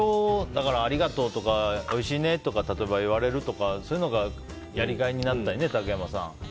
例えばありがとうとか、おいしいねとか言われるとかそういうのがやりがいになったりね竹山さん。